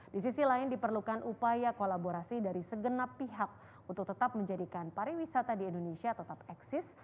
di sisi lain diperlukan upaya kolaborasi dari segenap pihak untuk tetap menjadikan pariwisata di indonesia tetap eksis